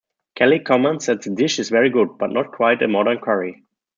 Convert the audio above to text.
Kelley comments that The dish is very good, but not quite a modern curry.